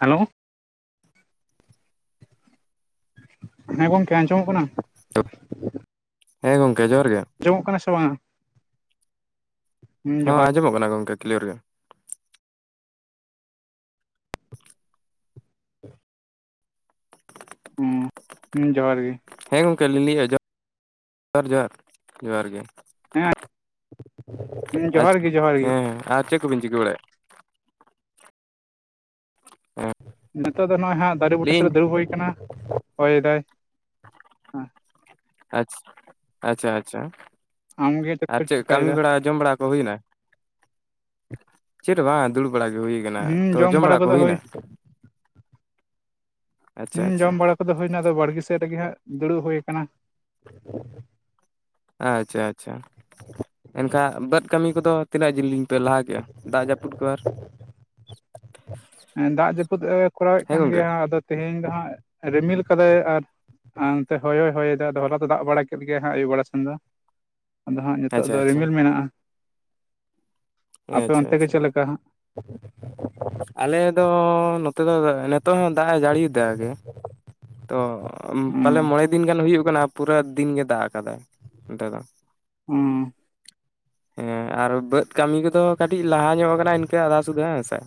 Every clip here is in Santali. ᱦᱮᱞᱳ᱾ ᱦᱮᱸ ᱜᱚᱢᱠᱮ ᱟᱸᱡᱚᱢᱚᱜ ᱠᱟᱱᱟ? ᱛᱳ, ᱦᱮᱸ ᱜᱚᱝᱠᱮ ᱡᱚᱦᱟᱨ ᱜᱮ᱾ ᱟᱸᱡᱚᱢᱚᱜ ᱠᱟᱱᱟᱭ ᱥᱮ ᱵᱟᱝ-ᱟ? ᱦᱩᱸ ᱦᱚᱸ ᱡᱚᱦᱟᱨ ᱟᱸᱡᱚᱢᱚᱜ ᱠᱟᱱᱟ ᱜᱚᱝᱠᱮ ᱠᱞᱤᱭᱟᱨ ᱜᱮ᱾ [inaudible] ᱦᱩᱸ ᱦᱩᱸ ᱡᱚᱦᱟᱨ ᱜᱮ᱾ ᱦᱮᱸ ᱜᱚᱢᱠᱮ ᱞᱤᱧ ᱞᱟᱹᱭᱮᱜᱮᱫ-ᱟ ᱡᱚᱦᱟᱨ ᱡᱚᱦᱟᱨ ᱡᱚᱦᱟᱨ ᱜᱮ᱾ ᱦᱮᱸ ᱡᱚᱦᱟᱨ ᱟᱪᱷᱟ ᱜᱮ ᱡᱚᱦᱟᱨ ᱜᱮ ᱦᱮᱸ ᱟᱨ ᱪᱮᱫ ᱠᱚ ᱯᱮ ᱪᱤᱠᱟᱹ ᱵᱟᱲᱟ ᱭᱮᱜ-ᱟ? ᱚᱸ ᱱᱤᱛᱚᱜ ᱫᱚ ᱱᱚᱜ-ᱚᱭ ᱦᱟᱸᱜ ᱫᱟᱨᱮ ᱵᱩᱴᱟᱹ ᱥᱩ ᱨᱮ ᱫᱩᱲᱩᱵ ᱦᱩᱭ ᱠᱟᱱᱟ ᱦᱚᱭᱮ ᱫᱟᱭ᱾ ᱟᱪᱷᱟ ᱟᱪᱷᱟ ᱟᱪᱷᱟ ᱟᱢᱜᱮ ᱟᱨ ᱠᱚᱢ ᱪᱮᱫ ᱠᱟᱹᱢᱤ ᱪᱤᱠᱟᱹᱭᱮᱫᱟ ᱵᱟᱲᱟ ᱡᱚᱢ ᱵᱟᱲᱟ ᱠᱚ ᱦᱩᱭᱱᱟ ᱪᱮᱫ ᱦᱚᱸ ᱵᱟᱝ-ᱟ ᱫᱩᱲᱩᱵ ᱵᱟᱲᱟ ᱜᱮ ᱦᱩᱭ ᱱᱟ ᱦᱩᱸ ᱛᱚ ᱡᱚᱢ ᱵᱟᱲᱟ ᱠᱚ ᱠᱚᱫᱚ ᱦᱩᱭ ᱦᱩᱭᱮᱱᱟ? ᱟᱪᱪᱷᱟ ᱦᱩᱸ ᱟᱪᱪᱷᱟ ᱡᱚᱢ ᱵᱟᱲᱟ ᱠᱚ ᱫᱚ ᱦᱩᱭᱱᱟ ᱟᱫᱚ ᱵᱟᱲᱜᱤ ᱥᱮᱫ ᱨᱮᱜᱮ ᱦᱟᱸᱜ ᱫᱩᱲᱩᱵ ᱦᱩᱭᱩ ᱠᱟᱱᱟ᱾ ᱟᱪᱷᱟ ᱟᱪᱷᱟ᱾ ᱮᱱᱠᱷᱟᱱ ᱵᱟᱹᱫᱽ ᱠᱟᱹᱢᱤ ᱠᱚ ᱫᱚ ᱛᱤᱱᱟᱹᱜ ᱡᱤᱞᱤᱧ ᱯᱮ ᱞᱟᱦᱟ ᱠᱮᱫ-ᱟ ᱫᱟᱜ ᱡᱟᱹᱯᱩᱫ ᱠᱚ ᱟᱨ? ᱫᱟᱜ ᱡᱟᱹᱯᱩᱫ ᱮ ᱠᱚᱨᱟᱣᱮᱫ ᱦᱮᱸ ᱠᱟᱱ ᱜᱚᱝᱠᱮ ᱜᱮᱭᱟ ᱟᱫᱚ ᱛᱮᱦᱤᱧ ᱫᱚ ᱦᱟᱸᱜ ᱨᱤᱢᱤᱞ ᱠᱟᱫᱟᱭ ᱟᱨ᱾ ᱟᱨ ᱚᱱᱛᱮ ᱦᱚᱭᱦᱚ ᱦᱚᱭ ᱮᱫᱟ ᱟᱫᱚ ᱦᱚᱞᱟ ᱫᱚ ᱫᱟᱜ ᱵᱟᱲᱟ ᱠᱮᱫ ᱜᱮᱭᱟ ᱦᱟᱸᱜ ᱟᱭᱩᱵ ᱵᱟᱲᱟ ᱥᱮᱱ ᱫᱚ᱾ ᱟᱫᱚ ᱦᱟᱸᱜ ᱱᱤᱛᱚᱜ ᱟᱪᱪᱷᱟ ᱫᱚ ᱟᱪᱪᱷᱟ ᱨᱤᱢᱤᱞ ᱢᱮᱱᱟᱜ-ᱟ᱾ ᱟᱯᱮ ᱟᱪᱪᱷᱟ ᱚᱱᱛᱮ ᱜᱮ ᱟᱪᱪᱷᱟ ᱪᱮᱫ ᱞᱮᱠᱟ ᱦᱟᱸᱜ? ᱟᱞᱮ ᱫᱚ ᱱᱚᱛᱮ ᱫᱚ ᱱᱤᱛᱚᱜ ᱦᱚᱸ ᱫᱟᱜ ᱮ ᱡᱟᱹᱲᱤᱭᱫᱟ ᱜᱮ᱾ ᱛᱚ ᱯᱟᱞᱮ ᱦᱩᱸ ᱢᱚᱬᱮ ᱫᱤᱱ ᱜᱟᱱ ᱦᱩᱭᱩᱜ ᱠᱟᱱᱟ ᱯᱩᱨᱟᱹ ᱫᱤᱱᱜᱮ ᱫᱟᱜ ᱟᱠᱟᱫᱟᱭ ᱚᱱᱛᱮ ᱫᱚ᱾ ᱦᱩᱸ᱾ ᱦᱮᱸ ᱟᱨ ᱵᱟᱹᱫᱽ ᱠᱟᱹᱢᱤ ᱠᱚ ᱫᱚ ᱠᱟᱹᱴᱤᱡ ᱞᱟᱦᱟ ᱧᱚᱜ ᱠᱟᱱᱟ ᱤᱱᱠᱟᱹ ᱟᱫᱷᱟ ᱥᱩᱫᱷᱟᱹ ᱦᱮᱸ ᱥᱮ᱾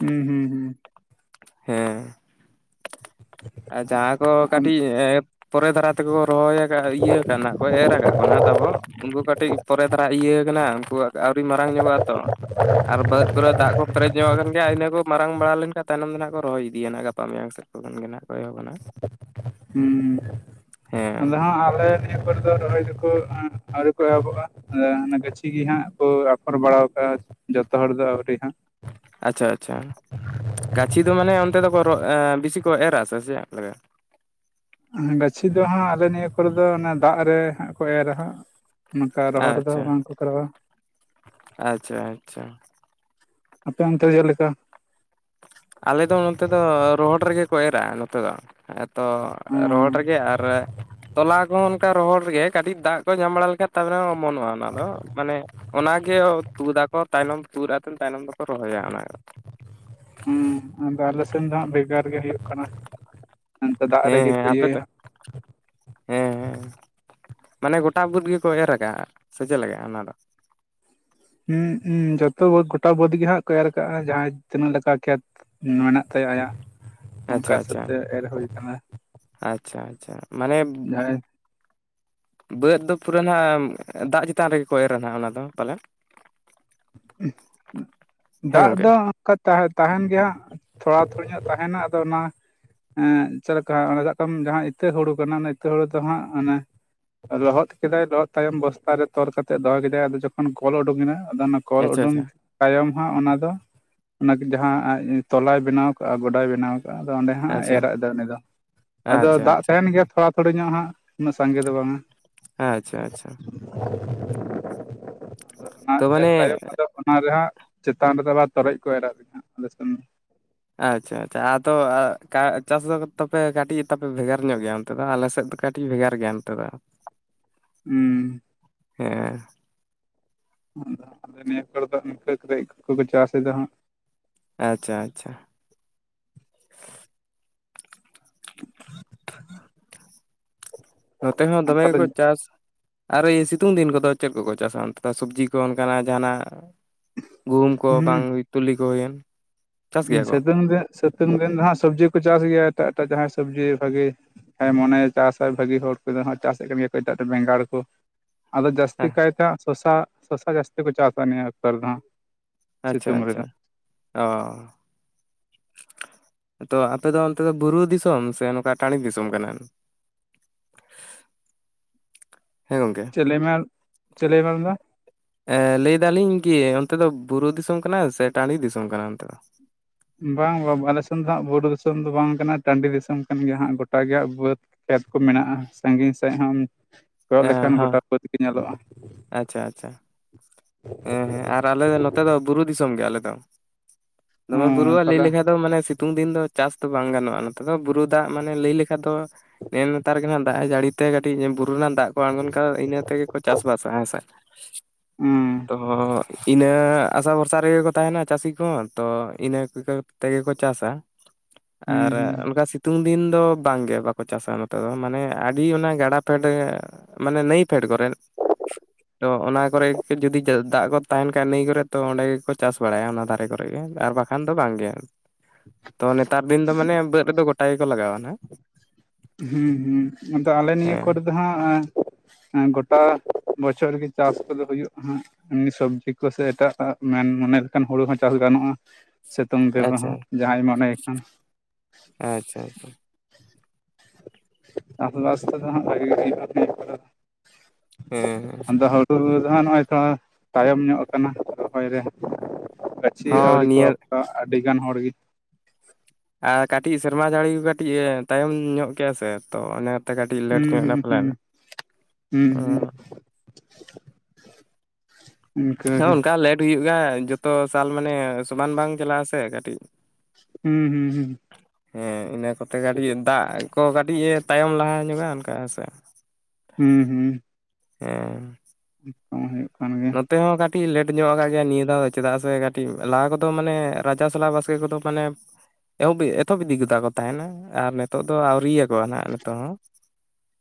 ᱦᱩᱸ ᱦᱩᱸ ᱦᱩᱸ᱾ ᱦᱮᱸ᱾ ᱟᱨ ᱡᱟᱦᱟᱸ ᱠᱚ ᱟᱢ ᱠᱟᱹᱴᱤᱡ ᱮᱯ ᱯᱚᱨᱮ ᱫᱷᱟᱨᱟ ᱛᱮ ᱠᱚ ᱨᱚᱦᱚᱭ ᱟᱠᱟᱫ ᱤᱭᱟᱹ ᱠᱟᱱᱟ ᱠᱚ ᱮᱨ ᱟᱠᱟᱫ ᱠᱚ ᱱᱟᱦᱜ ᱛᱟᱵᱚ ᱩᱱᱠᱩ ᱠᱟᱹᱴᱤᱡ ᱯᱚᱨᱮ ᱫᱷᱨᱟ ᱤᱭᱟᱹ ᱠᱟᱱᱟ ᱩᱱᱠᱩᱣᱟᱜ ᱟᱹᱣᱨᱤ ᱢᱟᱨᱟᱝ ᱧᱚᱜᱚᱜ-ᱟ ᱛᱚ᱾ ᱟᱨ ᱵᱟᱹᱫᱽ ᱠᱚᱨᱮ ᱫᱟᱜ ᱠᱚ ᱯᱮᱨᱮᱡ ᱧᱚᱜ ᱟᱠᱟᱱ ᱜᱮᱭᱟ ᱤᱱᱟᱹ ᱠᱚ ᱢᱟᱨᱟᱝ ᱵᱟᱲᱟ ᱞᱮᱱᱠᱷᱟᱱ ᱛᱟᱭᱱᱚᱢ ᱫᱚ ᱱᱟᱦᱟᱜ ᱠᱚ ᱨᱚᱦᱚᱭ ᱤᱫᱤᱭᱟ ᱱᱟᱦᱟᱜ ᱜᱟᱯᱟ ᱢᱮᱭᱟᱝ ᱥᱮᱫ᱾ ᱩᱫᱽ ᱢᱟ ᱢᱮᱱᱟᱜ᱾ ᱦᱩᱸ ᱦᱮᱸ ᱟᱫᱚ ᱦᱟᱸᱜ ᱟᱞᱮ ᱱᱤᱛ ᱟᱯᱦᱚᱨ ᱫᱚ ᱨᱚᱦᱚᱭ ᱫᱚ ᱠᱚ ᱟᱹᱣᱨᱤ ᱠᱚ ᱮᱦᱚᱵᱚᱜ-ᱟ ᱟᱫᱚ ᱜᱟᱹᱪᱷᱤ ᱜᱮ ᱦᱟᱸᱜ ᱠᱚ ᱟᱯᱷᱚᱨ ᱵᱟᱲᱟ ᱟᱠᱟᱜ-ᱟ᱾ ᱡᱚᱛᱚ ᱦᱚᱲ ᱫᱚ ᱟᱹᱣᱨᱤ ᱦᱟᱸᱜ᱾ ᱟᱪᱷᱟ ᱟᱪᱷᱟ ᱜᱟᱪᱷᱤ ᱫᱚ ᱢᱟᱱᱮ ᱚᱱᱛᱮ ᱫᱚ ᱠᱚ ᱨᱚᱜ ᱵᱮᱥᱤ ᱠᱚ ᱮᱨᱟ ᱥᱮ ᱪᱮᱫᱞ ᱞᱮᱠᱟ? ᱜᱟᱹᱪᱷᱤ ᱫᱚ ᱦᱟᱸᱜ ᱟᱞᱮ ᱱᱤᱭᱟᱹ ᱠᱚᱨᱮ ᱫᱚ ᱚᱱᱮ ᱫᱟᱜ ᱨᱮ ᱦᱟᱸᱜ ᱠᱚ ᱮᱨᱟ ᱦᱟᱸᱜ᱾ ᱱᱚᱠᱟ ᱨᱚᱦᱚᱲ ᱨᱮᱫᱚ ᱵᱟᱝ ᱠᱚ ᱠᱚᱨᱟᱣᱟ᱾ ᱟᱪᱷᱟ ᱟᱪᱷᱟ᱾ ᱟᱯᱮ ᱚᱱᱛᱮ ᱪᱮᱫ ᱞᱮᱠᱟ? ᱟᱞᱮ ᱫᱚ ᱚᱛᱮ ᱫᱚ ᱨᱚᱦᱚᱲ ᱨᱮ ᱜᱮ ᱠᱚ ᱮᱨᱟ ᱱᱚᱛᱮ ᱫᱚ᱾ ᱛᱚ ᱨᱚᱦᱚᱲ ᱨᱮ ᱜᱮ ᱦᱩᱸ ᱟᱨ ᱛᱚᱞᱟ ᱠᱚ ᱦᱚᱸ ᱚᱱᱠᱟ ᱨᱚᱦᱚᱲ ᱨᱮ ᱜᱮ ᱠᱟᱹᱴᱤᱡ ᱫᱟᱜ ᱠᱚ ᱧᱟᱢ ᱵᱟᱲᱟ ᱞᱮᱠᱷᱟᱱ ᱛᱟᱦᱞᱮ ᱦᱚᱸ ᱚᱢᱚᱱᱚᱜ-ᱟ ᱚᱱᱟ ᱫᱚ ᱢᱟᱱᱮ ᱚᱱᱟ ᱜᱮ ᱛᱩᱫᱟ ᱠᱚ ᱛᱟᱭᱱᱚᱢ ᱛᱩᱫ ᱟᱯᱮᱢ ᱛᱟᱭᱱᱚᱢ ᱫᱚ ᱠᱚ ᱨᱚᱦᱚᱭᱟ ᱚᱱᱟ ᱦᱩᱸ ᱟᱫᱚ ᱟᱞᱮ ᱥᱮᱱ ᱫᱚ ᱦᱟᱸᱜ ᱵᱷᱮᱜᱟᱨ ᱜᱮ ᱦᱩᱭᱩᱜ ᱠᱟᱱᱟ᱾ ᱚᱱᱛᱮ ᱫᱟᱜ ᱦᱮᱸ ᱨᱮᱜᱮ ᱦᱮᱸ ᱠᱚ ᱟᱯᱮ ᱛᱮ [inaudible] ᱢᱟᱱᱮ ᱜᱚᱴᱟ ᱵᱟᱹᱫᱽ ᱜᱮᱠᱚ ᱮᱨ ᱠᱟᱜᱼᱟ ᱥᱮ ᱪᱮᱫ ᱞᱮᱠᱟ ᱚᱱᱟ ᱫᱚ ᱦᱩᱸ ᱩᱸ ᱡᱚᱛᱚ ᱵᱟᱹᱫᱽ ᱜᱚᱴᱟ ᱵᱟᱹᱫᱽ ᱜᱮ ᱦᱟᱸᱜ ᱠᱚ ᱮᱨ ᱟᱠᱟᱜᱼᱟ ᱡᱟᱦᱟᱸᱭ ᱛᱤᱱᱟᱹᱜ ᱞᱮᱠᱟ ᱠᱷᱮᱛ ᱢᱮᱱᱟᱜ ᱛᱟᱭᱟ ᱟᱭᱟᱜ ᱟᱪᱪᱷᱟ ᱚᱱᱠᱟ ᱦᱤᱥᱟᱹᱵ ᱟᱪᱪᱷᱟ ᱛᱮ ᱮᱨ ᱦᱳᱭ ᱟᱠᱟᱱᱟ᱾ ᱟᱪᱪᱷᱟ ᱟᱪᱪᱷᱟ ᱢᱟᱱᱮ ᱡᱟᱦᱟᱸᱭ [inaudible] ᱵᱟᱹᱫᱽ ᱫᱚ ᱯᱩᱨᱟᱹ ᱦᱟᱸᱜ ᱫᱟᱜᱽ ᱪᱮᱛᱟᱱ ᱨᱮᱜᱮ ᱠᱚ ᱮᱨᱟ ᱱᱟᱜ ᱚᱱᱟ ᱫᱚ ᱯᱟᱞᱮ ᱦᱮᱸ ᱫᱟᱜᱽ ᱜᱚᱝᱠᱮ ᱫᱚ ᱚᱱᱠᱟ ᱛᱟᱦᱮ ᱛᱟᱦᱮᱱ ᱜᱮ ᱦᱟᱸᱜ ᱛᱷᱚᱲᱟ ᱛᱷᱩᱲᱤ ᱧᱚᱜ ᱛᱟᱦᱮᱱᱟ ᱟᱫᱚ ᱚᱱᱟ ᱮᱸ ᱪᱮᱫ ᱞᱮᱠᱟ [unintelligible] ᱡᱟᱦᱟᱸ ᱤᱛᱟᱹ ᱦᱩᱲᱩ ᱠᱟᱱᱟ ᱚᱱᱟ ᱤᱛᱟᱹ ᱦᱩᱲᱩ ᱫᱚ ᱦᱟᱸᱜ ᱚᱱᱮ ᱞᱚᱦᱚᱫ ᱠᱮᱫᱟᱭ ᱞᱚᱦᱚᱫ ᱛᱟᱭᱚᱢ ᱵᱚᱥᱛᱟ ᱨᱮ ᱛᱚᱞ ᱠᱟᱛᱮ ᱫᱚᱦᱚ ᱠᱮᱫᱟᱭ ᱟᱫᱚ ᱡᱚᱠᱷᱚᱱ ᱠᱚᱞ ᱩᱰᱩᱠᱮᱱᱟ ᱟᱫᱚ ᱠᱚᱞ ᱟᱪᱪᱷᱟ ᱩᱰᱩᱝ ᱟᱪᱪᱷᱟ ᱛᱟᱭᱚᱢ ᱦᱟᱸᱜ ᱚᱱᱟ ᱫᱚ ᱚᱱᱟ ᱡᱟᱦᱟᱸ ᱛᱚᱞᱟᱭ ᱵᱮᱱᱟᱣ ᱠᱟᱜᱼᱟ ᱜᱚᱰᱟᱭ ᱵᱮᱱᱟᱣ ᱟᱫᱚ ᱚᱸᱰᱮ ᱦᱟᱸᱜ ᱟᱪᱪᱷᱟ ᱮᱨᱟᱜ ᱮᱫᱟ ᱩᱱᱤ ᱫᱚ ᱟᱫᱚ ᱟᱪᱪᱷᱟ ᱫᱟᱜᱽ ᱟᱪᱪᱷᱟ ᱛᱟᱦᱮᱱ ᱜᱮᱭᱟ ᱛᱷᱚᱲᱟ ᱛᱷᱚᱲᱤ ᱧᱚᱜ ᱦᱟᱸᱜ ᱩᱱᱟᱹᱜ ᱥᱟᱸᱜᱮ ᱫᱚ ᱵᱟᱝᱼᱟ᱾ ᱟᱪᱪᱷᱟ ᱟᱪᱪᱷᱟ ᱛᱚ ᱚᱱᱟ ᱮᱨ ᱢᱟᱱᱮ ᱛᱟᱭᱚᱢ ᱟᱫᱚ ᱚᱱᱟ ᱨᱮᱦᱟᱸᱜ ᱪᱮᱛᱟᱱ ᱨᱮᱫᱚ ᱛᱚᱨᱚᱡ ᱠᱚ ᱮᱨᱟᱜ [unintelligible] ᱟᱞᱮ ᱥᱮᱱ᱾ ᱟᱪᱪᱷᱟ ᱟᱪᱪᱷᱟ ᱟᱫᱚ ᱠᱟ ᱪᱟᱥ ᱫᱚ ᱛᱟᱯᱮ ᱠᱟᱹᱴᱤᱡᱽ ᱛᱟᱯᱮ ᱵᱷᱮᱜᱟᱨ ᱧᱚᱜ ᱜᱮᱭᱟ ᱚᱱᱛᱮ ᱫᱚ ᱟᱞᱮ ᱥᱮᱫ ᱫᱚ ᱠᱟᱹᱴᱤᱡᱽ ᱵᱷᱮᱜᱟᱨ ᱜᱮᱭᱟ ᱚᱱᱛᱮ ᱫᱚ᱾ ᱦᱩᱸ ᱦᱮᱸ ᱟ ᱟ ᱱᱤᱭᱟᱹ ᱠᱚᱨᱮ ᱫᱚ ᱱᱝᱠ ᱠᱚᱨᱮ [inaudible] ᱠᱚᱠᱚ ᱪᱟᱥ ᱮᱫᱟ ᱦᱟᱸᱜ ᱟᱪᱪᱷᱟ ᱟᱪᱪᱷᱟ᱾ [unintelligible] ᱱᱚᱛᱮ ᱦᱚᱸ ᱟᱨ ᱫᱚᱢᱮ ᱜᱮᱠᱚ ᱛᱟᱦᱚᱞᱮ ᱪᱟᱥᱼᱼ ᱟᱨ ᱤᱭᱟᱹ ᱥᱤᱛᱩᱝ ᱫᱤᱱ ᱠᱚᱫᱚ ᱪᱮᱫ ᱠᱚᱠᱚ ᱪᱟᱥᱟ ᱥᱚᱵᱽᱡᱤ ᱠᱚ ᱚᱱᱠᱟᱱᱟᱜ ᱡᱟᱦᱟᱱᱟᱜ ᱜᱩᱦᱩᱢ ᱠᱚ ᱵᱟᱝ ᱦᱩᱸ ᱛᱩᱞᱤ ᱠᱚ ᱦᱩᱭᱮᱱ ᱪᱟᱥ ᱜᱮᱭᱟ ᱠᱚ ᱥᱤᱛᱩᱝ ᱫᱤᱱ ᱥᱤᱛᱩᱝ ᱫᱤᱱ ᱫᱚ ᱦᱟᱜ ᱥᱚᱵᱽᱡᱤ ᱠᱚ ᱪᱟᱥ ᱜᱮᱭᱟ ᱮᱴᱟᱜ ᱮᱴᱟᱜ ᱡᱟᱦᱟᱸᱭ ᱥᱚᱵᱽᱡᱤ ᱵᱷᱟᱜᱤᱼᱼ ᱦᱮᱸ ᱢᱚᱱᱮᱭ ᱪᱟᱥᱟ ᱵᱷᱟᱜᱤ ᱦᱚᱲ ᱠᱚᱫᱚ ᱪᱟᱥ ᱮᱫ ᱠᱟᱱ ᱜᱮᱭᱟ ᱠᱚ ᱮᱴᱟᱜ ᱵᱮᱸᱜᱟᱲ ᱠᱚ᱾ ᱟᱫᱚ ᱡᱟᱹᱥᱛᱤ ᱦᱮᱸ ᱠᱟᱭᱛᱮ ᱥᱚᱥᱟ ᱥᱚᱥᱟ ᱡᱟᱹᱥᱛᱤ ᱠᱚ ᱪᱟᱥᱟ ᱱᱤᱭᱟᱹ ᱩᱠᱛᱚᱨ ᱫᱚ ᱦᱟᱜ᱾ ᱟᱪᱪᱷᱟ ᱟᱪᱪᱷᱟ ᱚᱻ ᱛᱚ ᱟᱯᱮ ᱫᱚ ᱚᱱᱛᱮ ᱫᱚ ᱵᱩᱨᱩ ᱫᱤᱥᱚᱢ ᱥᱮ ᱱᱚᱝᱠᱟ ᱴᱟᱺᱲᱤ ᱫᱤᱥᱚᱢ ᱠᱟᱱᱟ? [inaudible] [inaudible] [inaudible] ᱦᱮᱸ ᱜᱚᱝᱠᱮ ᱪᱮ ᱞᱮᱢᱮ [inaudible] ᱪᱮ ᱞᱮᱢᱮ ᱟᱨᱢᱤᱫᱟ ᱮ ᱞᱟᱹᱭ ᱫᱟᱞᱤᱧ ᱠᱤ ᱚᱱᱛᱮ ᱫᱚ ᱵᱩᱨᱩ ᱫᱤᱥᱚᱢ ᱠᱟᱱᱟ ᱥᱮ ᱴᱟᱺᱰᱤ ᱫᱤᱥᱚᱢ ᱠᱟᱱᱟ ᱚᱱᱛᱮ ᱫᱚ ᱵᱟᱝ ᱵᱟ ᱟᱞᱮᱥᱮᱱ ᱫᱚ ᱦᱟᱸᱜ ᱵᱩᱨᱩ ᱫᱤᱥᱚᱢ ᱫᱚ ᱵᱟᱝ ᱠᱟᱱᱟ ᱴᱟᱺᱰᱤ ᱫᱤᱥᱚᱢ ᱠᱟᱱ ᱜᱮᱭᱟ ᱦᱟᱸᱜ ᱜᱚᱴᱟ ᱜᱮᱦᱟᱜ ᱵᱟᱹᱫᱽ ᱠᱷᱮᱛ ᱠᱚ ᱢᱮᱱᱟᱜᱼᱟ ᱥᱟᱺᱜᱤᱧ ᱥᱮᱫ ᱦᱚᱢ ᱠᱚᱭᱚᱜ ᱞᱮᱠᱷᱟᱱ ᱜᱚᱴᱟ ᱦᱮᱸ ᱵᱟᱹᱫᱽ ᱜᱮ ᱧᱮᱞᱚᱜᱼᱟ᱾ ᱟᱪᱪᱷᱟ ᱟᱪᱪᱷᱟ᱾ ᱦᱮᱸ ᱦᱮᱸ ᱟᱨ ᱟᱞᱮ ᱫᱚ ᱱᱚᱛᱮ ᱫᱚᱼᱼ ᱵᱩᱨᱩ ᱫᱤᱥᱚᱢ ᱜᱮ ᱟᱞᱮ ᱫᱚ ᱫᱚᱢᱮ ᱦᱩᱸ ᱵᱩᱨᱩᱼᱟ ᱞᱟᱹᱭ ᱛᱟᱦᱚᱞᱮ ᱞᱮᱠᱷᱟᱱ ᱫᱚ ᱢᱟᱱᱮ ᱥᱤᱛᱩᱝ ᱫᱤᱱ ᱫᱚ ᱪᱟᱥ ᱫᱚ ᱵᱟᱝ ᱜᱟᱱᱚᱜᱼᱟ ᱱᱚᱛᱮ ᱫᱚ ᱵᱩᱨᱩ ᱫᱟᱜ ᱢᱟᱱᱮ ᱞᱟᱹᱭ ᱞᱮᱠᱷᱟᱱ ᱫᱚ ᱱᱮ ᱱᱮᱛᱟᱨ ᱜᱮᱦᱱᱟᱜ ᱫᱟᱜ ᱮ ᱡᱟᱹᱲᱤ ᱛᱮ ᱠᱟᱹᱴᱤᱡ ᱵᱩᱨᱩ ᱨᱮᱱᱟᱜ ᱫᱟᱜ ᱠᱚ ᱟᱬᱜᱚᱱ ᱠᱷᱟᱱ ᱤᱱᱟᱹ ᱛᱮᱜᱮ ᱠᱚ ᱪᱟᱥ ᱵᱟᱥᱟ ᱦᱮᱸ ᱥᱮ᱾ ᱦᱩᱸ ᱛᱚᱻ ᱤᱱᱟᱹ ᱟᱥᱟ ᱵᱷᱚᱨᱥᱟ ᱨᱮᱜᱮ ᱠᱚ ᱛᱟᱦᱮᱱᱟ ᱪᱟᱹᱥᱤ ᱠᱚᱦᱚᱸ ᱛᱚ ᱤᱱᱟᱹ ᱠᱚᱜᱮ ᱛᱮᱜᱮ ᱠᱚ ᱪᱟᱥᱟ᱾ [unintelligible] ᱟᱨ ᱚᱱᱠᱟ ᱥᱤᱼᱼ ᱥᱤᱛᱩᱝ ᱫᱤᱱ ᱫᱚ ᱵᱟᱝᱜᱮ ᱵᱟᱠᱚ ᱪᱟᱥᱟ ᱱᱚᱛᱮ ᱫᱚ ᱢᱟᱱᱮ ᱟᱹᱰᱤ ᱚᱱᱟ ᱜᱟᱰᱟ ᱯᱷᱮᱰᱼᱼ ᱢᱟᱱᱮ ᱱᱟᱹᱭ ᱯᱷᱮᱰ ᱠᱚᱨᱮ ᱛᱚ ᱚᱱᱟ ᱠᱚᱨᱮ ᱡᱩᱫᱤᱼᱼ ᱫᱟᱜ ᱠᱚ ᱛᱟᱦᱮᱱ ᱠᱷᱟᱡ ᱱᱟᱹᱭ ᱠᱚᱨᱮ ᱛᱚ ᱚᱸᱰᱮ ᱜᱮᱠᱚ ᱪᱟᱥ ᱵᱟᱲᱟᱭᱟ ᱚᱱᱟ ᱫᱷᱟᱨᱮ ᱠᱚᱨᱮ ᱜᱮ ᱟᱨ ᱵᱟᱠᱷᱟᱱ ᱫᱚ ᱵᱟᱝᱜᱮ᱾ ᱛᱚ ᱱᱮᱛᱟᱨ ᱫᱤᱱ ᱫᱚ ᱢᱟᱱᱮ ᱵᱟᱹᱫᱽ ᱨᱮᱫᱚ ᱜᱚᱴᱟ ᱜᱮᱠᱚ ᱞᱟᱜᱟᱣᱟ ᱦᱟᱜ᱾ ᱦᱩᱸ ᱦᱩᱸ ᱟᱫᱚ ᱟᱞᱮ ᱱᱤᱭᱟᱹ ᱦᱮᱸ ᱠᱚᱨᱮ ᱫᱚ ᱦᱟᱸᱜ ᱦᱮᱸ ᱜᱚᱴᱟ ᱵᱚᱪᱷᱚᱨ ᱜᱮ ᱪᱟᱥ ᱠᱚᱫᱚ ᱦᱩᱭᱩᱜᱼᱟ ᱦᱟᱸᱜ ᱥᱚᱵᱽᱡᱤ ᱠᱚᱥᱮ ᱮᱴᱟᱜᱟᱜ ᱢᱮᱱ ᱢᱚᱱᱮ ᱞᱮᱠᱟᱱ ᱦᱩᱲᱩ ᱦᱚᱸ ᱪᱟᱥ ᱜᱟᱱᱚᱜᱼᱟ᱾ ᱥᱤᱛᱩᱝ ᱫᱤᱱ ᱟᱪᱪᱷᱟ ᱨᱮᱦᱚᱸ ᱡᱟᱦᱟᱸᱭ ᱢᱚᱱᱮᱭ ᱠᱷᱟᱱ ᱟᱪᱪᱷᱟ ᱟᱪᱪᱷᱟ ᱪᱟᱥᱵᱟᱥ ᱫᱚ ᱦᱟᱸᱜ ᱵᱷᱟᱜᱤ ᱦᱩᱭᱩᱜᱼᱟ ᱱᱤᱭᱚ ᱠᱟᱛᱟ ᱫᱤᱱ ᱦᱮᱸ ᱦᱮᱸ ᱛᱩ ᱫᱚᱦᱟᱜ ᱱᱚᱜᱼᱚᱭ ᱛᱚ ᱛᱟᱭᱚᱢ ᱧᱚᱜ ᱟᱠᱟᱱᱟ ᱨᱚᱦᱚᱭ ᱨᱮ ᱪᱮ ᱦᱚᱸ ᱟᱹᱣᱨᱤ ᱠᱚ ᱱᱤᱭᱟᱹ ᱟᱯᱠᱟ ᱟᱹᱰᱤ ᱜᱟᱱ ᱦᱚᱲᱜᱮ ᱟᱨ ᱠᱟᱹᱴᱤᱡ ᱥᱮᱨᱢᱟ ᱡᱟᱹᱲᱤ ᱠᱟᱹᱴᱤᱡ ᱛᱟᱭᱚᱢ ᱧᱚᱜ ᱠᱮᱭᱟ ᱥᱮ ᱛᱚ ᱠᱟᱹᱴᱤᱡ ᱞᱮᱴ ᱧᱚᱜ ᱮᱱᱟ ᱦᱩᱸ ᱯᱟᱞᱮᱱ ᱦᱩᱸ ᱦᱩᱸ ᱦᱩᱸ ᱦᱩᱸ [inaudible] ᱤᱱᱠᱟᱹ ᱦᱮ ᱜᱮ ᱚᱱᱠᱟ ᱞᱮᱴ ᱦᱩᱭᱩᱜ ᱜᱮ ᱡᱚᱛᱚ ᱥᱟᱞ ᱢᱟᱱᱮ ᱥᱚᱢᱟᱱ ᱵᱟᱝ ᱪᱟᱞᱟᱜ ᱟᱥᱮ ᱠᱟᱹᱴᱤᱡ ᱦᱩᱸ ᱦᱩᱸ ᱦᱩᱸ ᱦᱮᱸ ᱤᱱᱟᱹ ᱠᱚᱛᱮ ᱠᱟᱹᱴᱤᱡ ᱫᱟᱜ ᱠᱚ ᱠᱟᱹᱴᱤᱡ ᱮ ᱛᱟᱭᱚᱢ ᱞᱟᱦᱟ ᱧᱚᱜᱟ ᱚᱱᱠᱟ ᱦᱮᱸᱥᱮ ᱦᱩᱸ ᱦᱩᱸ [unintelligible] ᱦᱩᱭᱩᱜ ᱠᱟᱱ ᱜᱮ ᱛᱮ ᱦᱚᱸ ᱠᱟᱹᱴᱤᱡ ᱞᱮᱴ ᱧᱚᱜ ᱠᱟᱜ ᱜᱮᱭᱟ ᱱᱤᱭᱟᱹ ᱫᱷᱟᱣ ᱫᱚ ᱪᱮᱫᱟᱜ ᱥᱮ ᱠᱟᱹᱴᱤᱡ ᱞᱟᱦᱟ ᱠᱚᱫᱚ ᱢᱟᱱᱮ ᱨᱟᱡᱟᱥᱟᱞᱟ ᱵᱟᱥᱠᱮ ᱠᱚᱫᱚ ᱢᱟᱱᱮ ᱮᱦᱚᱵ ᱮᱛᱚᱦᱚᱵᱤᱫᱤ ᱜᱤᱫᱟ ᱠᱚ ᱛᱟᱦᱮᱱᱟ ᱟᱨ ᱱᱮᱛᱚᱜ ᱫᱚ ᱟᱹᱣᱨᱤᱭᱟᱠᱚ ᱱᱟᱦᱟᱜ ᱱᱤᱛᱚᱜ ᱦᱚᱸ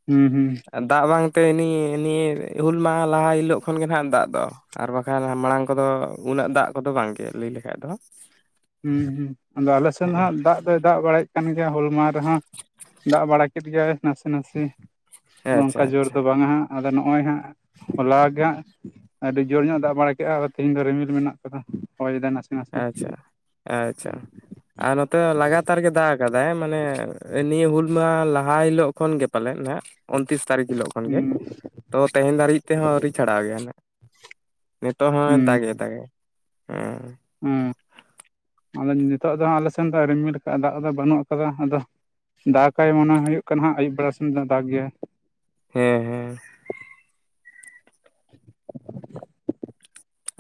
ᱦᱩᱸ ᱦᱩᱸ ᱫᱟᱜ ᱵᱟᱝᱛᱮ ᱱᱤᱭᱮ ᱱᱤᱭᱮ ᱦᱩᱞ ᱢᱟᱦᱟ ᱞᱟᱦᱟ ᱦᱤᱞᱳᱜ ᱠᱷᱚᱱ ᱜᱮ ᱦᱟᱱ ᱫᱟᱜ ᱫᱚ ᱟᱨ ᱵᱟᱠᱷᱟᱱ ᱢᱟᱲᱟᱝ ᱠᱚᱫᱚ ᱩᱱᱟᱹᱜ ᱫᱟᱜ ᱠᱚᱫᱚ ᱵᱟᱝᱜᱮ ᱞᱟᱹᱭ ᱞᱮᱠᱷᱟᱡ ᱫᱚ ᱦᱩᱸ ᱦᱩᱸ ᱟᱫᱚ ᱟᱞᱮᱥᱮᱱ ᱦᱟᱜ ᱫᱟᱜ ᱫᱚᱭ ᱫᱟᱜ ᱵᱟᱲᱟᱭ ᱠᱟᱱ ᱜᱮᱭᱟ ᱦᱩᱞ ᱢᱟᱦᱟᱸ ᱨᱮᱦᱚᱸ ᱫᱟᱜ ᱵᱟᱲᱟ ᱠᱮᱫ ᱜᱮᱭᱟᱭ ᱱᱟᱥᱮ ᱱᱟᱥᱮ ᱟᱪᱪᱷᱟ ᱚᱱᱠᱟ ᱡᱩᱨ ᱟᱪᱪᱷᱟ ᱫᱚ ᱵᱟᱝᱟ ᱦᱟᱸᱜ ᱟᱫᱚ ᱱᱚᱜᱼᱚᱭ ᱦᱟᱸᱜ ᱦᱚᱞᱟ ᱜᱮ ᱦᱟᱸᱜ ᱟᱹᱰᱤ ᱡᱩᱨ ᱧᱚᱜ ᱫᱟᱜ ᱵᱟᱲᱟ ᱠᱮᱜᱼᱟ ᱛᱮᱦᱤᱧ ᱫᱚ ᱨᱤᱢᱤᱞ ᱢᱮᱱᱟᱜ ᱠᱟᱫᱟ ᱦᱚᱭᱫᱟᱭ ᱱᱟᱥᱮ ᱱᱟᱥᱮ ᱟᱪᱪᱷᱟ ᱟᱪᱪᱷᱟ ᱟᱨ ᱱᱚᱛᱮ ᱞᱟᱜᱟᱛᱟᱨ ᱜᱮ ᱫᱟᱜ ᱟᱠᱟ ᱫᱟᱭ ᱢᱟᱱᱮ ᱱᱤᱭᱟᱹ ᱦᱩᱞ ᱢᱟᱦᱟ ᱞᱟᱦᱟ ᱦᱤᱞᱚᱜ ᱠᱷᱚᱱ ᱜᱮ ᱯᱟᱞᱮᱫ ᱱᱟᱜ ᱚᱱᱛᱤᱥ ᱛᱟᱨᱤᱠᱷ ᱦᱤᱞᱚᱜ ᱦᱩᱸ ᱠᱷᱚᱱᱜᱮ ᱛᱚ ᱛᱮᱦᱮᱱ ᱫᱷᱟᱹᱨᱤᱡ ᱛᱮᱦᱚᱸ ᱟᱹᱣᱨᱤ ᱪᱷᱟᱲᱟᱣ ᱜᱮᱭᱟ ᱱᱤᱛᱚᱜ ᱦᱚᱸᱭ ᱦᱩᱸ ᱫᱟᱜᱮ ᱫᱟᱜᱮ ᱦᱮᱸ ᱦᱩᱸ ᱟᱫᱚ ᱱᱤᱛᱚᱜ ᱫᱚ ᱟᱞᱮ ᱥᱮᱱ ᱫᱚ ᱨᱤᱢᱤᱞ ᱠᱟᱜᱼᱟ ᱫᱟᱜ ᱫᱚ ᱵᱟᱹᱱᱩᱜ ᱟᱠᱟᱫᱟ ᱟᱫᱚ ᱫᱟᱜᱟᱭ ᱢᱚᱱᱮ ᱦᱩᱭᱩᱜ ᱠᱟᱱᱟ ᱦᱟᱸᱜ ᱟᱭᱩᱵ ᱵᱮᱲᱟ ᱥᱮᱱ ᱫᱚ ᱫᱟᱜ ᱜᱮᱭᱟ ᱦᱮ ᱦᱮ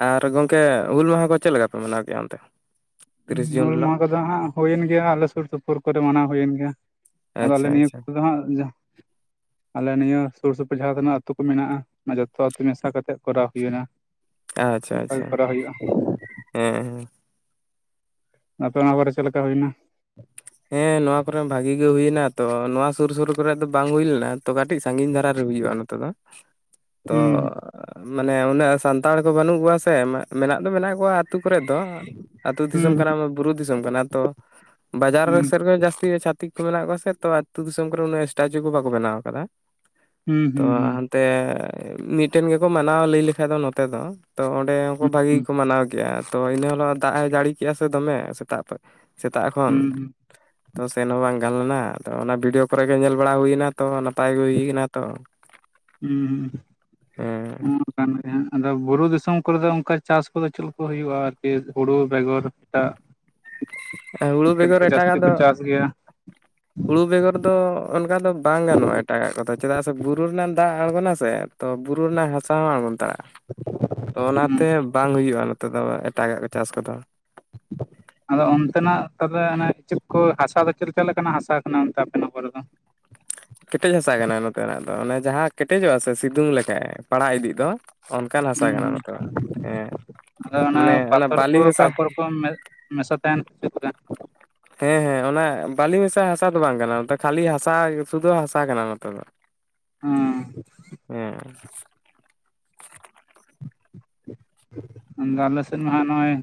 ᱟᱨ ᱜᱚᱝᱠᱮ ᱦᱩᱞ ᱢᱟᱦᱟ ᱠᱚ ᱪᱮᱫ ᱞᱮᱠᱟ ᱯᱮ ᱢᱟᱱᱟᱣ ᱠᱮᱭᱟ ᱚᱱᱛᱮ ᱛᱤᱨᱤᱥ ᱡᱩᱱ ᱦᱩᱞ ᱦᱤᱞᱳᱜ? ᱢᱟᱦᱟ ᱠᱚᱫᱚ ᱦᱟᱜ ᱦᱩᱭᱮᱱ ᱜᱮᱭᱟ ᱟᱞᱮ ᱥᱩᱨ ᱥᱩᱯᱩᱨ ᱠᱚᱨᱮ ᱢᱟᱱᱟᱣ ᱦᱩᱭᱮᱱ ᱜᱮᱭᱟ ᱟᱫᱚ ᱟᱞᱮ ᱟᱪᱪᱷᱟ ᱱᱤᱭᱟᱹ ᱟᱪᱪᱷᱟ ᱠᱚᱫᱚ ᱦᱟᱸᱜ ᱟᱞᱮ ᱱᱤᱭᱟᱹ ᱥᱩᱨ ᱥᱩᱯᱩᱨ ᱡᱟᱦᱟᱸ ᱛᱤᱱᱟᱹᱜ ᱟᱹᱛᱩ ᱠᱚ ᱢᱮᱱᱟᱜᱼᱟ ᱚᱱᱟ ᱡᱚᱛᱚ ᱟᱹᱛᱩ ᱢᱮᱥᱟ ᱠᱟᱛᱮ ᱠᱚᱨᱟᱣ ᱦᱩᱭᱮᱱᱟ ᱟᱪᱪᱷᱟ ᱟᱪᱪᱷᱟ ᱦᱮᱸ ᱟᱯᱮ ᱚᱱᱟ ᱵᱟᱨᱮ ᱪᱮᱫ ᱞᱮᱠᱟ ᱦᱩᱭᱱᱟ ᱦᱮᱸ ᱱᱚᱣᱟ ᱠᱚᱨᱮ ᱵᱷᱟᱜᱤ ᱜᱮ ᱦᱩᱭᱱᱟ ᱛᱚ ᱱᱚᱣᱟ ᱥᱩᱨ ᱥᱩᱨ ᱠᱚᱨᱮ ᱫᱚ ᱵᱟᱝ ᱦᱩᱭ ᱞᱮᱱᱟ ᱛᱚ ᱠᱟᱹᱴᱤᱡ ᱥᱟᱺᱜᱤᱧ ᱫᱷᱟᱨᱟ ᱨᱮ ᱦᱩᱭᱩᱜᱼᱟ ᱱᱚᱛᱮ ᱫᱚ ᱛᱚ ᱦᱩᱸ ᱢᱟᱱᱮ ᱩᱱᱟᱹᱜ ᱥᱟᱱᱛᱟᱲ ᱠᱚ ᱵᱟᱹᱱᱩᱜ ᱠᱚᱣᱟ ᱥᱮ ᱢᱮᱱᱟᱜ ᱫᱚ ᱢᱮᱱᱟᱜ ᱠᱚᱣᱟ ᱟᱹᱛᱩ ᱠᱚᱨᱮ ᱫᱚ ᱟᱹᱛᱩ ᱫᱤᱥᱚᱢ ᱦᱩᱸ ᱠᱟᱱᱟ ᱵᱩᱨᱩ ᱫᱤᱥᱚᱢ ᱠᱟᱱᱟ ᱛᱚ ᱵᱟᱡᱟᱨ ᱦᱩᱸ ᱥᱮᱫ ᱡᱟᱹᱥᱛᱤ ᱪᱷᱟᱛᱤᱠ ᱠᱚ ᱢᱮᱱᱟᱜ ᱠᱚᱣᱟ ᱥᱮ ᱛᱚ ᱟᱹᱛᱩ ᱫᱤᱥᱚᱢ ᱠᱚᱨᱮ ᱩᱱᱟᱹᱜ ᱥᱴᱟᱪᱩ ᱠᱚ ᱵᱟᱠᱚ ᱵᱮᱱᱟᱣ ᱟᱠᱟᱫᱟ ᱦᱩᱸ ᱛᱚ ᱦᱩᱸ ᱦᱟᱱᱛᱮ ᱢᱤᱫᱴᱮᱱ ᱜᱮᱠᱚ ᱢᱟᱱᱟᱣ ᱞᱟᱹᱭ ᱞᱮᱠᱷᱟᱱ ᱫᱚ ᱱᱚᱛᱮ ᱫᱚ ᱛᱚ ᱚᱸᱰᱮ ᱦᱚᱸᱠᱚ ᱦᱩᱸ ᱦᱩᱸ ᱵᱷᱟᱹᱜᱤ ᱜᱮᱠᱚ ᱢᱟᱱᱟᱣ ᱠᱮᱜᱼᱟ ᱛᱚ ᱤᱱᱟᱹ ᱦᱤᱞᱚᱜ ᱫᱟᱜ ᱮ ᱡᱟᱹᱲᱤ ᱠᱮᱜᱼᱟ ᱥᱮ ᱫᱚᱢᱮ ᱥᱮᱛᱟᱜ ᱥᱮᱛᱟᱜ ᱮᱠᱷᱚᱱ [inaudible] ᱛᱚ ᱥᱮᱱ ᱦᱚᱸ ᱵᱟᱝ ᱜᱟᱱ ᱞᱮᱱᱟ ᱛᱚ ᱚᱱᱟ ᱵᱷᱤᱰᱤᱭᱳ ᱠᱚᱨᱮᱜᱮ ᱧᱮᱞ ᱵᱟᱲᱟ ᱦᱩᱭᱱᱟ ᱛᱚ ᱱᱟᱯᱟᱭ ᱜᱮ ᱦᱩᱭᱱᱟ ᱛᱚ ᱦᱩᱸ ᱦᱮᱸ ᱦᱩᱸ ᱠᱟᱱᱜᱮ ᱦᱟᱸᱜ ᱟᱫᱚ ᱵᱩᱨᱩ ᱫᱤᱥᱚᱢ ᱠᱚᱨᱮ ᱫᱚ ᱚᱱᱠᱟ ᱪᱟᱥ ᱠᱚᱫᱚ ᱪᱮᱞ ᱠᱚ ᱦᱩᱭᱩᱜᱼᱟ ᱟᱨᱠᱤ ᱦᱩᱲᱩ ᱵᱮᱜᱚᱨ ᱮᱴᱟᱜ ᱦᱩᱲᱩ ᱪᱮᱫ ᱵᱮᱜᱚᱨ ᱠᱚ ᱡᱟᱹᱥᱛᱤ ᱮᱴᱟᱜᱟᱜ ᱠᱚ ᱫᱚ ᱪᱟᱥ ᱜᱮᱭᱟ? ᱦᱩᱲᱩ ᱵᱮᱜᱚᱨ ᱫᱚ ᱚᱱᱠᱟ ᱫᱚ ᱵᱟᱝ ᱜᱟᱱᱚᱜᱼᱟ ᱮᱴᱟᱜᱟᱜ ᱠᱚᱫᱚ ᱪᱮᱫᱟᱜ ᱥᱮ ᱵᱩᱨᱩ ᱨᱮᱱᱟᱝ ᱫᱟᱜ ᱟᱬᱜᱚᱱᱟ ᱥᱮ ᱛᱚ ᱵᱩᱨᱩ ᱨᱮᱱᱟᱜ ᱦᱟᱥᱟ ᱦᱚᱸ ᱟᱬᱜᱚᱱ ᱛᱟᱜ ᱛᱚ ᱦᱩᱸ ᱚᱱᱟᱛᱮ ᱵᱟᱝ ᱦᱩᱭᱩᱜᱼᱟ ᱱᱚᱛᱮ ᱫᱚ ᱮᱴᱟᱜᱟᱜ ᱠᱚ ᱪᱟᱥ ᱠᱚᱫᱚ ᱟᱫᱚ ᱚᱱᱛᱮᱱᱟᱜ ᱛᱟᱞᱚᱞᱮ ᱠᱤᱪᱮᱫ ᱠᱚ ᱦᱟᱥᱟ ᱫᱚ ᱪᱮᱫ ᱞᱮᱠᱟᱱᱟᱜ ᱦᱟᱥᱟ ᱠᱟᱱᱟ ᱚᱱᱛᱮ ᱟᱯᱮ ᱚᱱᱟ ᱠᱚᱨᱮ ᱫᱚ ᱠᱮᱴᱮᱡ ᱦᱟᱥᱟ ᱠᱟᱱᱟ ᱱᱚᱛᱮᱱᱟᱜ ᱫᱚ ᱚᱱᱮ ᱡᱟᱦᱟᱸ ᱠᱮᱴᱮᱡᱚᱜᱼᱟ ᱥᱮ ᱥᱤᱛᱩᱝ ᱞᱮᱠᱷᱟ ᱯᱟᱲᱟᱜ ᱤᱫᱤᱜ ᱫᱚ ᱚᱱᱠᱟᱱ ᱦᱟᱥᱟ ᱦᱩᱸ ᱠᱟᱱᱟ ᱦᱩᱸ ᱱᱚᱛᱮᱱᱟᱜ ᱦᱮᱸ ᱟᱫᱚ ᱚᱱᱟ ᱢᱟᱱᱮ ᱯᱟᱛᱚᱨ ᱠᱚ ᱵᱟᱹᱞᱤ ᱢᱮᱥᱟ ᱠᱟᱠᱚᱨ ᱠᱚ ᱢᱮ ᱢᱮᱥᱟ ᱛᱟᱦᱮᱱ ᱥᱮ ᱪᱮᱫ ᱞᱮᱠᱟ ᱦᱮᱸ ᱦᱮᱸ ᱚᱱᱟ ᱵᱟᱹᱞᱤ ᱢᱮᱥᱟ ᱦᱟᱥᱟ ᱫᱚ ᱵᱟᱝ ᱠᱟᱱᱟ [unintelligible] ᱠᱷᱟᱞᱤ ᱦᱟᱥᱟ ᱥᱩᱫᱩ ᱦᱟᱥᱟ ᱠᱟᱱᱟ ᱱᱚᱛᱮ ᱫᱚ ᱦᱚᱸ ᱦᱮᱸ ᱟᱫᱚ ᱟᱞᱮ ᱥᱮᱫ ᱢᱟ ᱦᱟᱸᱜ ᱱᱚᱜᱼᱚᱭ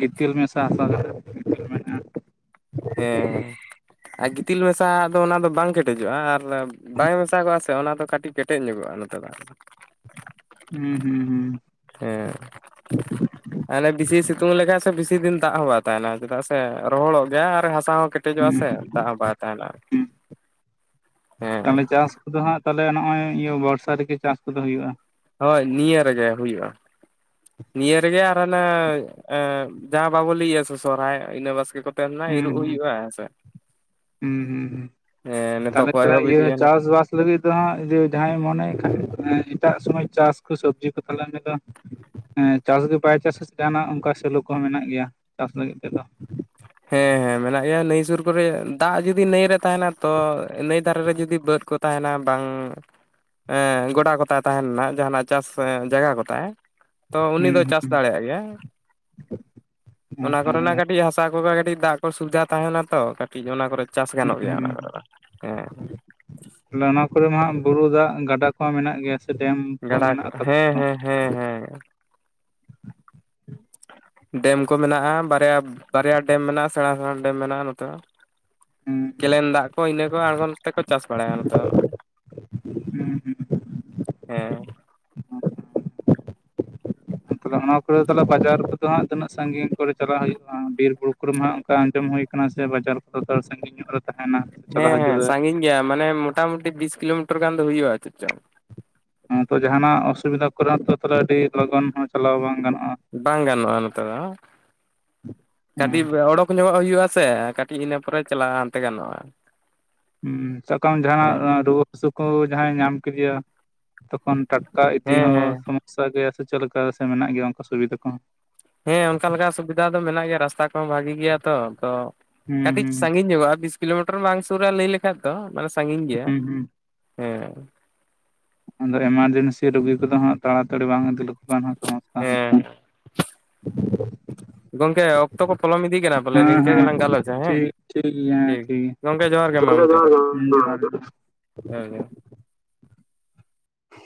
ᱜᱤᱛᱤᱞ ᱢᱮᱥᱟ ᱦᱟᱥᱟ ᱠᱟᱱᱟ ᱦᱮᱸ ᱟᱨ ᱜᱤᱛᱤᱞ ᱢᱮᱥᱟ ᱫᱚ ᱚᱱᱟ ᱫᱚ ᱵᱟᱝ ᱠᱮᱴ ᱠᱮᱴᱮᱡᱚᱜᱼᱟ ᱟᱨ ᱵᱟᱭ ᱢᱮᱥᱟ ᱠᱚᱜᱼᱟ ᱥᱮ ᱚᱱᱟ ᱫᱚ ᱠᱟᱹᱴᱤᱡ ᱠᱮᱴᱮᱡ ᱧᱚᱜᱚᱜᱼᱟ ᱱᱚᱛᱮ ᱫᱚ ᱦᱩᱸ ᱦᱩᱸ ᱦᱩᱸ ᱦᱮᱸ [inaudible] ᱟᱞᱮ ᱵᱤᱥᱤ ᱥᱤᱛᱩᱝ ᱞᱮᱠᱷᱟᱡ ᱥᱮ ᱵᱤᱥᱤ ᱫᱤᱱ ᱫᱟᱜ ᱦᱚᱸ ᱵᱟᱭ ᱛᱟᱦᱮᱱᱟ ᱪᱮᱫᱟᱜ ᱥᱮ ᱨᱚᱦᱚᱲᱚᱜ ᱜᱮᱭᱟ ᱟᱨ ᱦᱟᱥᱟ ᱦᱚ ᱠᱮᱴ ᱠᱮᱴᱮᱡᱚᱜᱼᱟ ᱦᱩᱸ ᱥᱮ ᱫᱟᱜ ᱦᱚ ᱵᱟᱭ ᱛᱟᱦᱮᱱᱟ ᱦᱩᱸ ᱦᱮᱸ ᱠᱩᱫᱚ ᱦᱟᱸᱜ ᱛᱟᱦᱚᱞᱮ ᱱᱚᱜᱼᱚᱭ ᱤᱭᱟᱹ ᱵᱚᱨᱥᱟ ᱨᱮᱜᱮ ᱪᱟᱥ ᱠᱚᱫᱚ ᱦᱩᱭᱩᱜᱼᱟ ᱦᱳᱭ ᱱᱤᱭᱟᱹ ᱨᱮᱜᱮ ᱦᱩᱭᱩᱜᱼᱟ᱾ ᱱᱤᱭᱟᱹ ᱨᱮᱜᱮ ᱟᱨ ᱚᱱᱮ ᱮᱸᱯ ᱡᱟᱦᱟᱸ ᱵᱟᱵᱚ ᱞᱟᱹᱭᱟ ᱥᱮ ᱥᱚᱨᱚᱦᱟᱭ ᱤᱱᱟᱹ ᱵᱟᱥᱠᱮ ᱠᱚ ᱛᱮᱱ ᱱᱟ ᱤᱨᱩᱜ ᱦᱩᱭᱩᱜᱼᱟ ᱦᱮᱥᱮ ᱩᱸᱻᱻ ᱱᱤᱛᱚᱜ ᱛᱟᱞᱦᱮ ᱠᱚ ᱛᱚᱞᱮ ᱮᱦᱚᱵ ᱤᱭᱟᱹᱜᱼᱟ ᱤᱫᱤᱭᱟ ᱱᱟᱜ ᱪᱟᱥ ᱵᱟᱥ ᱞᱟᱹᱜᱤᱫ ᱛᱮᱦᱟᱸᱜ ᱡᱮ ᱡᱟᱦᱟᱸᱟᱭ ᱢᱚᱱᱮᱭ ᱠᱷᱟᱱ ᱮᱴᱟᱜ ᱥᱚᱢᱚᱭ ᱪᱟᱥ ᱠᱚ ᱥᱚᱵᱽᱡᱤ ᱠᱚ ᱯᱟᱞᱮᱱ ᱩᱱᱤ ᱫᱚ ᱦᱮᱸ ᱪᱟᱥ ᱜᱮ ᱵᱟᱭ ᱪᱟᱥᱟ ᱪᱟᱹᱥᱟᱥᱮ ᱡᱟᱦᱟᱱᱟᱜ ᱚᱱᱠᱟ ᱥᱮᱞᱩ ᱠᱚᱦᱚᱸ ᱢᱮᱱᱟᱜ ᱜᱮᱭᱟ ᱪᱟᱥ ᱞᱟᱹᱜᱤᱫ ᱛᱮᱫᱚ ᱦᱮᱸ ᱦᱮᱸ ᱢᱮᱱᱟᱜ ᱜᱮᱭᱟ ᱱᱟᱹᱭ ᱥᱩᱨ ᱠᱚᱨᱮ ᱫᱟᱜ ᱡᱩᱫᱤ ᱱᱟᱹᱭ ᱨᱮ ᱛᱟᱦᱮᱱᱟ ᱛᱚ ᱱᱟᱹᱭ ᱫᱷᱟᱨᱮ ᱨᱮ ᱡᱩᱫᱤ ᱵᱟᱹᱫᱽ ᱠᱚ ᱛᱟᱦᱮᱱᱟ ᱵᱟᱝ ᱮᱸᱻᱜᱚᱰᱟ ᱜᱚᱴᱟ ᱛᱟᱦᱮᱱ ᱢᱟ ᱡᱟᱦᱟᱱᱟᱜ ᱪᱟᱥ ᱡᱟᱭᱜᱟ ᱠᱚ ᱛᱟᱭ ᱛᱚ ᱩᱱᱤ ᱦᱩᱸ ᱫᱚ ᱪᱟᱥ ᱦᱩᱸ ᱫᱟᱲᱮᱭᱟᱜ ᱜᱮᱭᱟᱭ ᱚᱱᱟ ᱠᱚᱨᱮᱱᱟᱜ ᱵᱟᱠᱷᱟᱱ ᱠᱟᱹᱴᱤᱡ ᱦᱟᱥ ᱛᱟᱠᱚ ᱜᱮ ᱠᱟᱹᱴᱤᱡ ᱫᱟᱜ ᱠᱚ ᱥᱩᱵᱤᱫᱷᱟ ᱛᱟᱦᱮᱱᱟ ᱛᱚ ᱠᱟᱹᱴᱤᱡ ᱚᱱᱟ ᱠᱚᱨᱮ ᱪᱟᱥ ᱜᱟᱱᱚᱜ ᱜᱮᱭᱟ ᱟᱸᱜᱻ ᱦᱮᱸ ᱦᱮᱸ ᱞᱟᱱᱟ ᱠᱚᱨᱮ ᱢᱟ ᱦᱟᱸᱜ ᱵᱩᱨᱩ ᱫᱟᱜ ᱜᱟᱰᱟ ᱠᱚᱦᱚᱸ ᱢᱮᱱᱟᱜ ᱜᱮᱭᱟ ᱥᱮ ᱰᱮᱢ ᱜᱟᱰᱟ ᱠᱚ ᱢᱮᱱᱟᱜ ᱟᱠᱟᱫᱟ ᱦᱮᱸ ᱦᱮᱸ ᱦᱮᱸ ᱦᱮᱸ ᱰᱮᱢ ᱠᱚ ᱢᱮᱱᱟᱜᱼᱟ ᱵᱟᱨᱭᱟ ᱵᱟᱨᱭᱟ ᱰᱮᱢ ᱢᱮᱱᱟᱜᱼᱟ ᱥᱮᱬᱟ ᱥᱮᱬᱟ ᱰᱮᱢ ᱢᱮᱱᱟᱜᱼᱟ ᱱᱚᱛᱮ ᱫᱚ ᱦᱩᱸ ᱦᱩᱸ ᱠᱮᱞᱮᱱ ᱫᱟᱜ ᱠᱚ ᱤᱱᱟᱹ ᱠᱚ ᱟᱬᱜᱚᱱ ᱛᱮᱠᱚ ᱪᱟᱥ ᱵᱟᱲᱟᱭᱟᱢ ᱛᱚ ᱦᱩᱸ ᱦᱮᱸ ᱛᱟᱦᱚᱞᱮ ᱚᱱᱟ ᱠᱚᱨᱮ ᱛᱟᱞᱮ ᱵᱟᱡᱟᱨ ᱫᱚ ᱦᱟᱸᱜ ᱛᱤᱱᱟᱹᱜ ᱥᱟᱺᱜᱤᱧ ᱠᱚᱨᱮ ᱪᱟᱞᱟᱜ ᱦᱩᱭᱩᱜᱼᱟ ᱵᱤᱨ ᱵᱩᱨᱩ ᱠᱚᱨᱮ ᱦᱟᱜ ᱚᱱᱠᱟ ᱟᱸᱡᱚᱢ ᱦᱩᱭ ᱠᱟᱱ ᱠᱟᱱᱟ ᱥᱮ ᱵᱟᱡᱟᱨ ᱠᱚᱫᱚ ᱥᱟᱺᱜᱤᱧ ᱧᱚᱜ ᱨᱮ ᱛᱟᱦᱮᱱᱟ ᱪᱟᱞᱟᱜ ᱦᱮᱸ ᱦᱤᱡᱩᱜ ᱦᱮᱸ ᱨᱮ ᱥᱟᱺᱜᱤᱧ ᱜᱮᱭᱟ ᱢᱟᱱᱮ ᱢᱚᱴᱟᱢᱩᱴᱤ ᱵᱤᱥ ᱠᱤᱞᱳᱢᱤᱴᱟᱨ ᱜᱟᱱ ᱫᱚ ᱦᱩᱭᱩᱜᱼᱟ ᱪᱮᱫ ᱪᱚ ᱚᱝᱠᱩ ᱡᱟᱦᱟᱱᱟᱜ ᱚᱥᱩᱵᱤᱫᱟ ᱠᱚᱨᱮᱱᱟᱜ ᱛᱟᱦᱮ ᱟᱹᱰᱤ ᱞᱚᱜᱚᱱ ᱦᱚᱸ ᱪᱟᱞᱟᱣ ᱵᱟᱝ ᱜᱟᱱᱚᱜᱼᱟ᱾ ᱵᱟᱝ ᱜᱟᱱᱚᱜᱼᱟ ᱱᱚᱛᱮ ᱫᱚ ᱦᱩᱸ ᱠᱟᱴᱤᱵ ᱚᱲᱚᱠ ᱧᱚᱜᱚᱜ ᱦᱩᱭᱩᱜᱼᱟ ᱥᱮ ᱠᱟᱹᱴᱤᱡ ᱤᱱᱟᱹ ᱯᱚᱨᱮ ᱪᱟᱞᱟ ᱦᱟᱱᱛᱮ ᱜᱟᱱᱚᱜᱼᱟ᱾ ᱦᱩᱸ ᱥᱟᱵ ᱠᱟᱜ ᱟᱢ ᱦᱮᱸ ᱡᱟᱦᱟᱱᱟᱜ ᱨᱩᱣᱟᱹ ᱦᱟᱹᱥᱩ ᱠᱚ ᱡᱟᱦᱟᱸᱭ ᱧᱟᱢ ᱠᱮᱫᱮᱭᱟ ᱛᱚᱠᱷᱚᱱ ᱴᱟᱴᱠᱟ ᱤᱫᱤ ᱦᱮᱸ ᱦᱚᱸ ᱦᱮᱸ ᱥᱚᱢᱚᱥᱥᱟ ᱜᱮᱭᱟ ᱥᱮ ᱪᱮᱫᱠᱟ ᱥᱮ ᱢᱮᱱᱟᱜ ᱜᱮᱭᱟ ᱚᱱᱠᱟ ᱥᱩᱵᱤᱫᱷᱟ ᱠᱚ ᱦᱮᱸ ᱚᱱᱠᱟ ᱞᱮᱠᱟ ᱥᱩᱵᱤᱫᱷᱟ ᱫᱚ ᱢᱮᱱᱟᱜ ᱜᱮᱭᱟ ᱨᱟᱥᱛᱟ ᱠᱚᱦᱚᱸ ᱵᱷᱟᱹᱜᱤ ᱜᱮᱭᱟ ᱛᱚ ᱟᱫᱚ ᱠᱟᱹᱴᱤᱡ ᱦᱩᱸ ᱥᱟᱺᱜᱤᱧ ᱧᱚᱜᱚᱜᱼᱟ ᱵᱤᱥ ᱠᱤᱞᱳᱢᱤᱴᱟᱨ ᱵᱟᱝ ᱥᱩᱨ ᱨᱟ ᱞᱟᱹᱭ ᱞᱮᱠᱷᱟᱡ ᱫᱚ ᱢᱟᱱᱮ ᱥᱟᱺᱜᱤᱧ ᱜᱮᱭᱟ ᱦᱩᱸ ᱦᱩᱸ ᱦᱮᱸ ᱮᱢᱟᱨᱡᱮᱱᱥᱤ ᱨᱩᱜᱤ ᱠᱚᱫᱚ ᱦᱟᱸᱜ ᱛᱟᱲᱟ ᱛᱟᱲᱤ ᱵᱟᱝ ᱤᱫᱤ ᱞᱮᱠᱚ ᱠᱷᱟᱱ ᱦᱩᱸᱛᱚ ᱦᱮᱸ ᱜᱚᱢᱠᱮ ᱚᱠᱛᱚ ᱠᱚ ᱯᱚᱞᱚᱢ ᱤᱫᱤ ᱠᱟᱱᱟ ᱵᱚᱞᱮ ᱦᱮᱸ ᱱᱤᱝᱠᱟᱹ ᱦᱮᱸ ᱜᱮᱞᱟᱝ ᱜᱟᱞᱚᱪᱟ-ᱟ ᱴᱷᱤᱠ ᱦᱮᱸ ᱴᱷᱤᱠ ᱜᱮᱭᱟ ᱦᱮᱸ ᱴᱷᱤᱠ ᱜᱮᱭᱟ ᱜᱚᱢᱠᱮ ᱡᱚᱦᱟᱨ ᱜᱮ ᱢᱟ ᱢᱩᱪᱟᱹᱜ ᱨᱮ [unintelligible]